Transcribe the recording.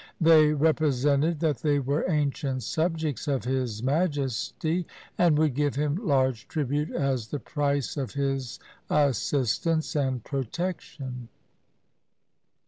They represented that they were ancient subjects of His Majesty, and would give him large tribute as the price of his assistance and protection.